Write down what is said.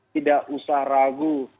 tidak usah ragu